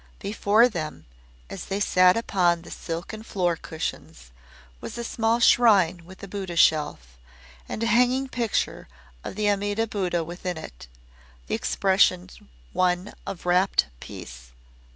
Before them, as they sat upon the silken floor cushions, was a small shrine with a Buddha shelf, and a hanging picture of the Amida Buddha within it the expression one of rapt peace.